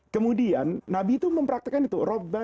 kemudian nabi itu mempraktekan itu